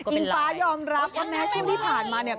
อิงฟ้ายอมรับเพราะแนะชิมที่ผ่านมาเนี่ย